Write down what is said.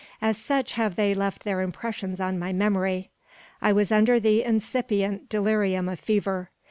As such have they left their impressions on my memory. I was under the incipient delirium of fever.